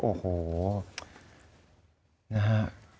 โอ้โหนะฮะ